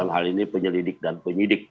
hal ini penyelidik dan penyidik